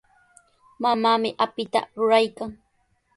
Mamaami apita ruraykan.